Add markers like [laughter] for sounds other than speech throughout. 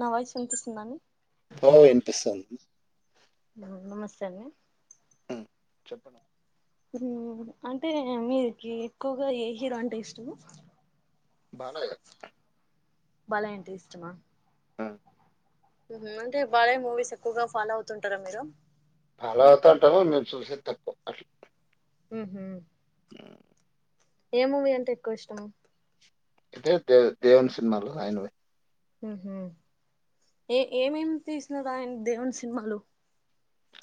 నా వాయిస్ వినిపిస్తుందా అండి వినిపిస్తుంది నమస్తే అండి చెప్ అంటే మీకి ఎక్కువగా ఏ హీరో అంటే ఇష్టము బాలయ్య బాలయ్య అంటే ఇష్టమా ఆ హు అంటే బాలయ్య మూవీస్ ఎక్కువగా ఫాలో అవుతుంటారా మీరు ఫాలో అవుతా ఉంటాము మేము చూసేది తక్కువ అట్లా ఉహు ఏ మూవీ అంటే ఎక్కువ ఇష్టము అంటే దే దేవుని సినిమాలో ఆయనవి హు హూ ఏ ఏమేమి తీసిన ఆయన దేవుని సినిమాలు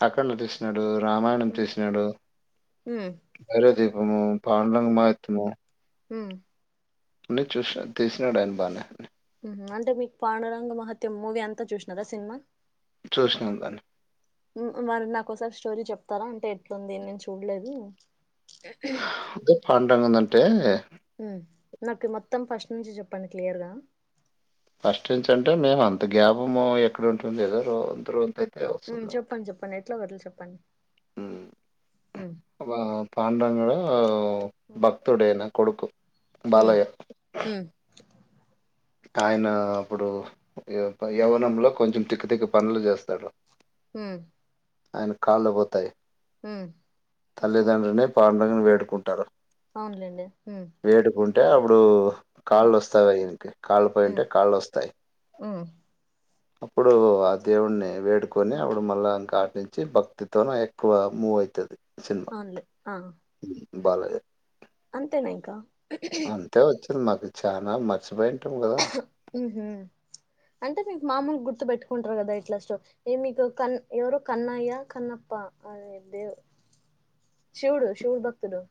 అఖండ తీసినాడు రామాయణం తీసినాడు మ్మ్ భైరవ దీపము పాండురంగ మహత్యము హు న చూసినా తీసినాడు ఆయన బాగానే అంటే మీకు పాడురంగ మహత్యం మూవీ అంతా చూసినారా సినిమా చూసినాను దాన్ని మరి నాకోసారి స్టోరీ చెప్తారా అంటే ఎట్లుంది నేను చూడలేదు అదే పాడురంగం ఏందంటే నాకు మొత్తం ఫస్ట్ నుంచి చెప్పండి క్లియర్గా ఫస్ట్ నుంచి అంటే మేము అంత గ్యాప్ మూవీ ఎక్కడ ఉంటుంది ఏదో రో అందరు అంతయి ఊ చెప్పండి చెప్పండి ఎట్లో గట్లో చెప్పండి ఉమ్ ఊ పాండరంగా భక్తుడేనా కొడుకు ఉమ్ బాలయ్య ఉమ్ ఆయన అప్పుడు యవ్వనంలో కొంచెం తిక్కు తిక్క పనులు చేస్తాడు ఊ ఆయన కాళ్లు పోతాయి ఊ తల్లిదండ్రులని పండురంగం ని వేడుకుంటారు అవునులేండి ఊ ఇప్పుడు కాళ్ళు వస్తాయియనికి కాళ్ళు ఉమ్ పోయింటే కాళ్ళు వస్తాయి ఉమ్ అప్పుడు ఆ దేవుడిని వేడుకొని ఉమ్ అప్పుడు మళ్ళా ఇంకా నుంచి భక్తితోన ఎక్కువ మూవ్ అవుతుది అవును లే ఆ బాలయ్య అంతేనా ఇంకా అంతే వచ్చింది మాకు చానా మర్చిపోయి ఉ ఊ అంటే మీకు మామూలు గుర్తు పెట్టుకుంటారు కదా ఇట్లా స్టోరీ ఏ మీకు కన్ ఎవరు కన్నయ్య కన్నప్ప అదే దేవ్ శివుడు శివుడు భక్తుడు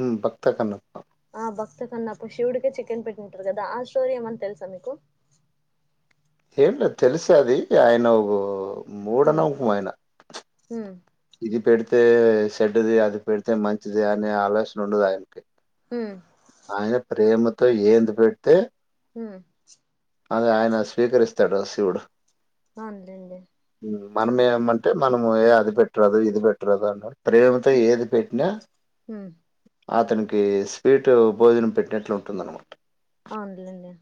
ఊ భక్త కన్నప్ప ఆ భక్త కన్నప్పు శివుడికే చికెన్ పెట్టింటారు కదా ఆ స్టోరీ ఏమన్నా తెలుసా మీకు ఏం లే తెలిస అది ఆయన ఒక మూఢ ఉమ్ నమ్ముకం ఆయన ఉమ్ ఇది పెడితే తే చెడ్డది అది పెడితే మంచిది అనే ఆలోచన ఉండదు ఆయన ఉమ్ ఆయన ప్రేమతో ఏంది పెడితే ఊ అదే ఆయన స్వీకరిస్తాడు శివుడు ఔను లేండి మనమేమంటే మనము ఏ అది పెట్టరాదు ఇది పెట్టరాదు అన్న ప్రేమతో ఏది పెట్టినా ఊ అతనికి స్వీట్ భోజనం పెట్టినట్లు ఉంటుదన్నమాట అవునులేండి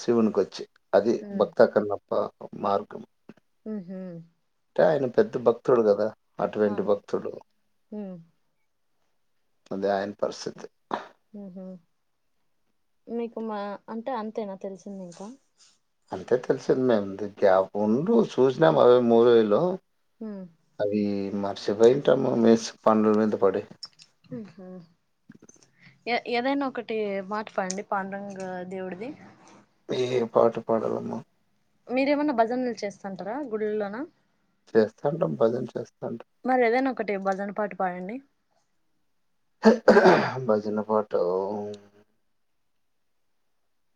శివునికోచ్చి అది భక్త కన్నప్ప మార్గం ఉ హు అంటే ఆయన పెద్ద భక్తుడు కదా అటువంటి అవునండి భక్తుడు ఉ అదే అయన పరిస్థితి హు హు మీకు మా అంటే అంతేనా తెలిసింది ఇంకా అంతే తెలిసిదంది గ్యా ఫోన్లు చూసినాము అవేమో మూవీలో ఉ అది మర్చిపోయుంటాము మిస్ పనుల మీద పడి ఉమ్ హు ఏ ఏదైనా ఒకటి పాట పాడండి పాండరంగ దేవుడిది ఏ పాట పాడలమ్మా మీరేమన్నా భజనలు చేస్తంటారా గుడిల్లోనా చేస్తాంటం భజన చేస్ మరి ఏదైనా ఒకటి భజన పాట పాడండి భజన పాటా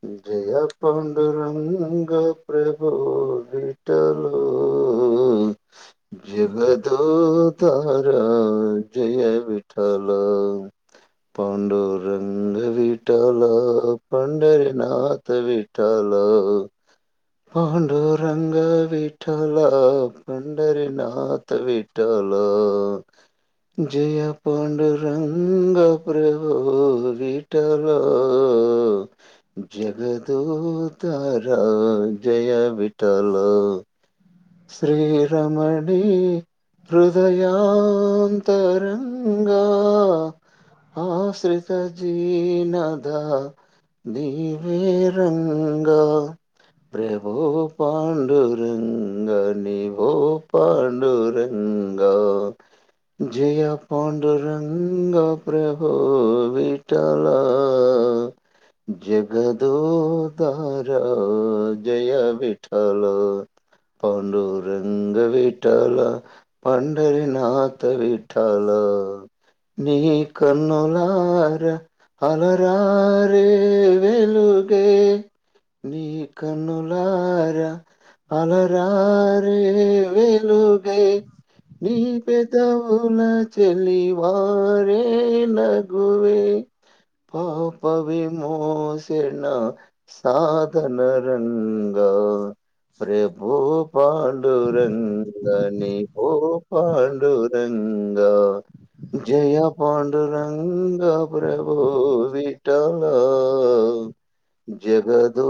విజయ పాండురంగ ప్రభువు డిటరు [inaudible] మ్ జగదొ తారా జయ విఠాల పాండురంగ విఠాల పాం హరినాత్ విఠల పాండూ రంగ విఠల పండరినాత్ విట్ లా జయ పాండురంగ ప్రభువు విఠలా అ [inaudible] జగదోతారా జయ విఠల శ్రీరమణి హృదయాంతరంగా హ శ్రీత జీ నాద నీవే రంగా ప్రభు పాండురం గా నివో పాండురంగా జయ పాండురంగా ప్రభు విఠలా ఆ జగదోదార జయ విఠల పాండురంగ వీఠాల పండరినాథ విఠలా అ నీ కన్నులార అలరారే వెలు కే నీ కనులార అల అరే వెలుగై నీ పెదవుల చలి వారే నగువే పాప వి మోసేన సాధన రంగ [inaudible] ప్రబ్ ఓ పాండురంగ ని ఓ పాండురంగ జయ పాండురంగ ప్రభు విఠాల ఉ జగదో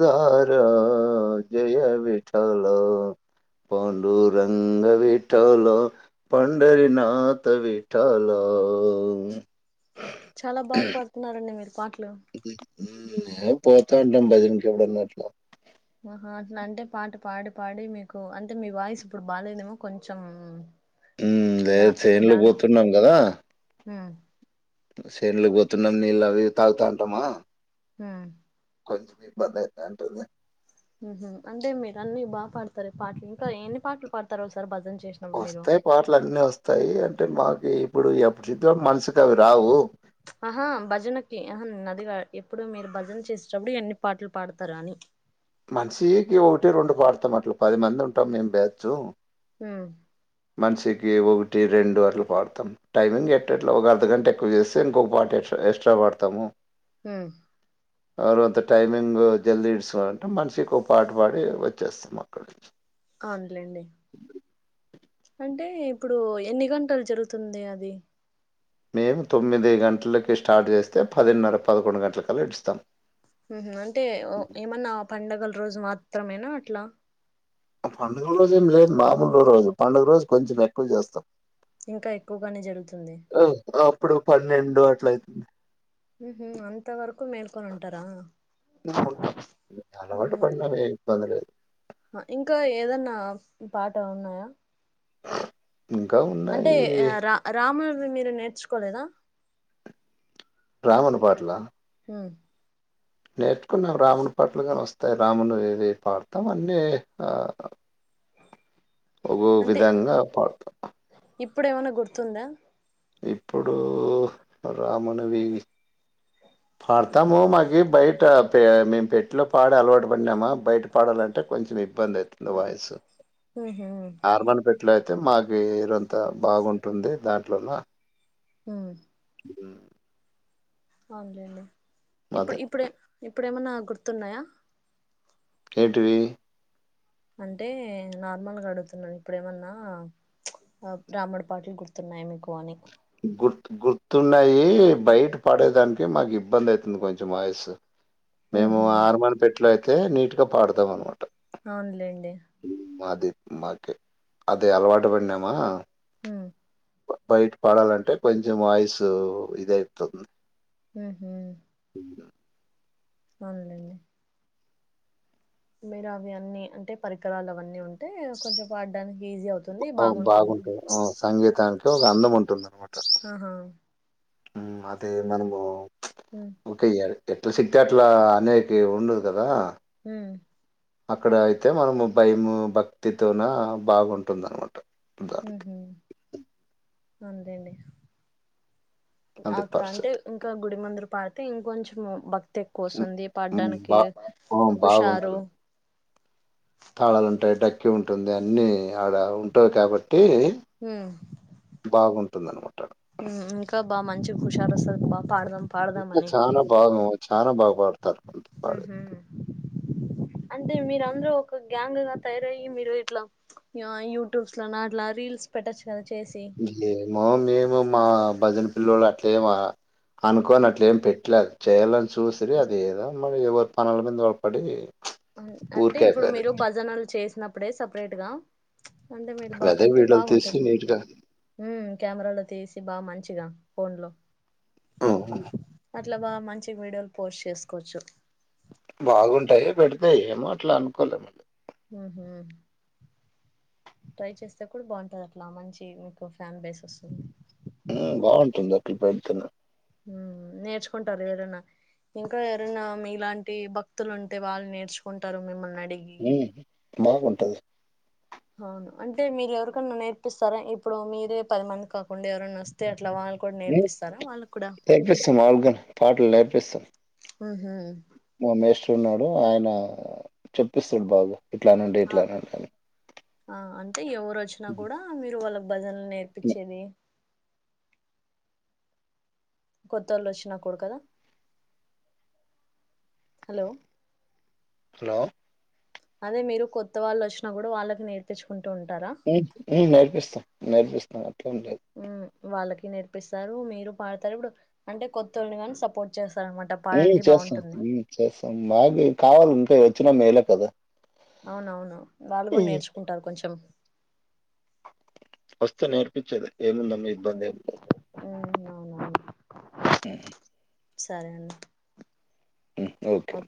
దార జయ వి ఠల పాండు రంగ విఠల పండరినాథ విఠలాం చాలా బాగ్ పడుతున్నారండి మీరు పాటలు ఉమ్ మేం పోతా ఉంటాం భజనకి ఎప్పుడన్న అట్లా ఆహా అట్లాంటే పాట పాడి పాడి మీకు అంటే మీ వాయిస్ ఇప్పుడు బాగాలేదేమో కొంచెం ఉమ్ నిదా లేద్ చెన్లలకి పోతున్నాం కదా ఉమ్ సెండ్లుకి పోతున్నాం నీళ్ళు అవి తాగుతా ఉంటామా ఉమ్ కొంచెం ఇబ్బంది అయితానుంటుంది హ అంటే మీరు అన్ని బాగా పాడతారు పాటలు ఇంకా ఎన్ని పాటలు పాడతారూ ఒకసారి భజన్కి వస్తాయి పాటలు అన్నీ వస్తాయి అంటే మాకి ఆహా భజనకి అహ అదిగా ఇప్పుడు మీరు భజన చేసేటప్పుడు ఎన్ని పాటలు పాడతారు అని మనిషికి ఒకటి రెండు పాడతాం అట్లా పది మంది ఉంటాం మేము బ్యాచ్యూ మ్ మనిషికి ఒకటి రెండు అట్లు పాడుతము టైమింగ్ ఎట్టట్లో ఒక అర్ధగంట ఎక్కువ చేస్తే ఇంకొక పాట ఎ ఎస్ట్రా వాడతము ఉ ఎరు అంత టైమింగ్ జల్దీ ఇడుసుకోవాలంటే మనిషికో పాట పాడి వచ్చేస్తం అక్కడి నుంచి అవునులేలెండి అంటే ఇప్పుడు ఎన్ని గంటలు జరుగుతుంది అది మేము తొమ్మిది గంటలకి స్టార్ట్ చేస్తే పదిన్నర పదకొండు గంటలకల్ల ఇడుస్తాం ఉ హ్ అంటే ఓ ఏమన్నా పడుగల రోజు మాత్రమేనా అట్లా ఆ పండుగ రోజు ఏం లేదు మాములు రోజు పండుగ రోజు కొంచెం ఎక్కువ జేస్తాం ఇంకా ఎక్కువగానే జరుగుతూ ఆ అప్పుడు పన్నెండు అట్ల అయిత ఉ హ్ అంత వరకు మేల్కొని ఉంటరా ఉ ఉంటము అలవాటు పడిన వే ఇబ్బంది లేదు అ ఇంకా ఏదన్నా పాట ఉన్నాయా ఇంకా అంటే ఉన్నాయి రా రాముని మీరు నేర్చుకోలేదా రామును పాట్లా ఉ నేర్చుకున్నము రాముని పాట్లుగ వస్తయి రాముని ఇది పాడతము అన్నీ ఆ ఒకో కో అంటే విధంగ పాడుత ఇప్పుడు ఏవన్న గుర్తుందా ఇప్పుడూ రామునివీ పాడతాము మాకి బయట పే మేము పెట్టిలో పాడే అలవాటు పడినామా బయట పాడాల కొంచెం ఇబ్బంది అయితుంది వాయిసు ఉహు ఆర్మాన్ పెట్లో అయితే మా వేరంతా బాగుంటుంది దాంట్లోల ఊ ఊ అవునండి ఎప్పుడు అదే ఎపుడూమైన గుర్తు ఉన్నాయా కేంటీవీ అంటే నార్మల్ గా అడుగుతున్న ఎపుడూమైన అ రాముడు పాటలు గుర్తు గుర్తు గుర్తున్నయీ బయట పడేయడానికి కొంచెం ఇబ్బంది ఐయితుంది వాయిస్ మేము ఉహు హర్మని పెట్టేలో అయితేయ్ నీట్ గా పడతం అవునులేండి మకే అది అలవాటు పడినామా ఉ బ బయట పాడాలంటే కొంచెం వాయిసూ ఇది ఐయితది ఉ హ్ అవునులేండి మీర అవి అన్నీ అంటే పరికరాలు అవన్నీ ఉంటే కొంచెం పాడ్డనికి ఓ బాగుంటుంది ఓ సంగీతానికి ఒక అందం ఉంటుంది అన్నమాట ఆహా ఉ అదే మనము ఇంక ఎయ్యాలి అంటే తూ సిక్తే అట్ల అనయికి ఉందురు కదా ఉ అక్కడ అయితే మనము భయము భక్తితోన బాగుంటుందన్నమాట ఉహు అంతెండి అది అక్కడ అంటే పరిస్థితి ఇంక గుడి ముందుర పాడితే ఇంకొంచెం భక్తి తే ఉమ్, ఎక్కువొస్తుంది ఉమ్, పాడ్డానికి బా ఆ, హుషారు తాళాలుంటయి టక్కి ఉంటుంది అన్ని ఆడ ఉంటయి కాబట్టి ఉమ్ టే బాగుంటుందన్నమాట ఉమ్ ఇంకా బాగా మంచి హుషారు వస్తది బా ఇంగా చాలా బాగా చాలా బాగా పాడుతారు ఉహు అంటే మీరు అందరు ఒక గ్యాంగ్ గా తయారయ్యి మీరు ఇట్లా ఆ యూట్యూబ్స్ లోనా అట్లా రీల్ స్ పెట్టచ్ మామూలు మేము మా భజన పిల్లోలు అట్లే మా అనుకోని అట్లే ఏం పెట్టలే చేయాలని చూసి అది ఏదో మరి ఎవరి పనుల మీద వాళ్ళు పడి అన్ అంటే ఊరికే ఇప్పుడు అయిపోయారు మీరు భజనలు చేసినప్పుడే సపరేట్ గా అంటే మీరు బాగా అదే పెడితే వీడియోలు తీసి బాగుంటుంది నీట్గా ఉమ్ కెమెరాలో తీసి బాగా మంచి చిగా ఫోన్ లో హ్మ్ హ్మ్. అట్ల బాగా మంచి వీడియోలు పోస్ట్ చేసుకోవచ్చు బాగుంటాయి పెడితే ఏమో అట్ల అనుకోలేదు మేము ఉహు ట్రై చేస్తే కూడా బాగుంటది అట్లా మంచి మీకు ఫ్యాన్ బేస్ వస్తుంది ఉ బాగుంటుంది అట్ల పెడితేనె ఉ నేర్చుకుంటరు ఎవరన్నా ఇంకా ఎవరైనా మీలాంటి భక్తులు ఉంటే వాళ్ళు నేర్చుకుంటారు మిమ్మల్ని అడిగి ఉ బాగుంటది అవును అంటే మీరు ఎవరికన్నా నేర్పిస్తారా ఇప్పుడు మీరే పది మందికి కాకుండా ఎవరన్నా వస్తే అట్లా వాళ్ళు కూడా ఉ నేర్పిస్తారా వాళ్ళకు కూడా నేర్పిస్తా మామూలుగా పాటలు నేర్పిస్తా ఉహు మా మాస్టర్ ఉన్నాడు ఆయన చెప్పిస్తడు బాగా ఇట్లనండి ఆ ఇట్లనండి అని ఆ అంటే ఎవరు వచ్చినా హ్మ్. కూడా మీరు వాళ్ళ భజనలు హ్మ్. నేర్పిచ్చేది కొత్తోళ్ళు వచ్చినా కూడా కదా హలో హలో అదే మీరు కొత్త వాళ్ళు వచ్చినా కూడా వాళ్ళకి నేర్పిచుకున్ ఉ ఉ నేర్పిస్తం నేర్పిస్తం అట్లేం లేదు మ్మ్ వాళ్ళకి నేర్పిస్తారు మీరు పాడతారు ఇప్పుడు అంటే కొత్తోళ్ళని కానీ సపోర్ట్ చేస్తారు ఉ చేస్తాం ఉ చేస్తాం మాకు కావాలి ఇంకా వచ్చినా మేలే కదా అవునవును వాళ్ళు కూడా హ్మ్. నేర్చుకుంటారు కొంచెం వస్తే నేర్పించేదే ఏముండదు ఇబ్బందే ఉమ్ అవునవును ఉ సరే అండి ఉ ఓకే